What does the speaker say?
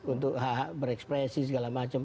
untuk berekspresi segala macam